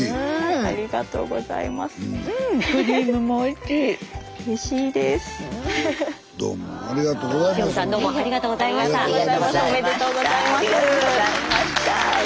ありがとうございましたうれしい。